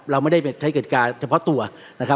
เราไม่ได้ไปใช้เกิดการเฉพาะตัวนะครับ